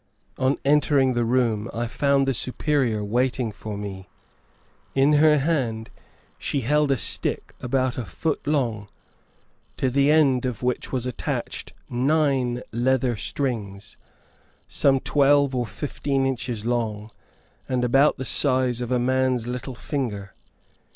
On entering the room, I found the Superior waiting for me; in her hand she held a stick about a foot long, to the end of which was attached nine leather strings, some twelve or fifteen inches long, and about the size of a man's little finger.